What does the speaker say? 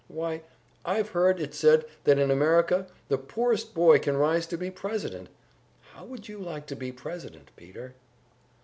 Why, I've heard it said that in America the poorest boy can rise to be President! How would you like to be President, Peter?"